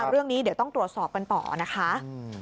เรื่องนี้เดี๋ยวต้องตรวจสอบกันต่อนะคะ